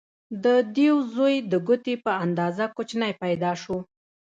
د دیو زوی د ګوتې په اندازه کوچنی پیدا شو.